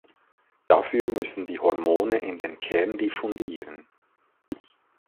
Dafür müssen die Hormone in den Kern diffundieren.